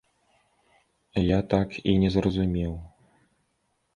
Я так і не зразумеў.